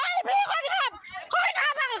จริงพี่ขอดำมาทำรถนี่